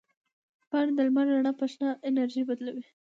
پاڼې د لمر رڼا په شنه انرژي بدلوي.